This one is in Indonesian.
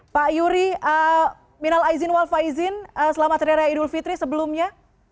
pak yuri minal aizin wal faizin selamat hari raya idul fitri sebelumnya